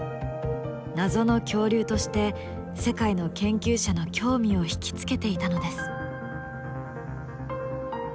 謎の恐竜として世界の研究者の興味を引き付けていたのです。